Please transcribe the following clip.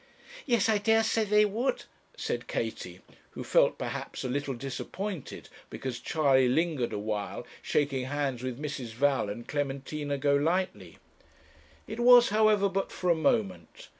'Yes, I dare say they would,' said Katie, who felt, perhaps, a little disappointed because Charley lingered a while shaking hands with Mrs. Val and Clementina Golightly. It was, however, but for a moment.